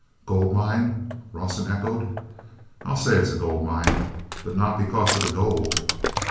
"Gold mine!" Rawson echoed. "I'll say it's a gold mine—but not because of the gold.